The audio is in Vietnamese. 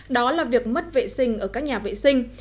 đó là việc mất vệ sinh ở các nhà vệ sinh